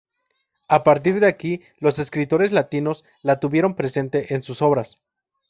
A partir de aquí los escritores latinos la tuvieron presente en sus obras.